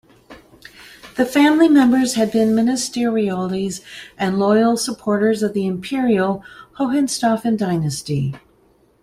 The family members had been ministeriales and loyal supporters of the Imperial Hohenstaufen dynasty.